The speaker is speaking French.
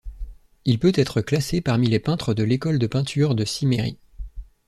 Il peut être classé parmi les peintres de l'école de peinture de Cimmérie.